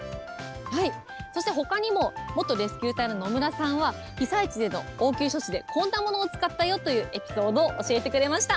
そしてほかにも、元レスキュー隊の野村さんは、被災地での応急処置で、こんなものを使ったよというエピソードを教えてくれました。